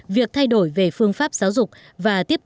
việc thay đổi về phương pháp giáo dục và tiếp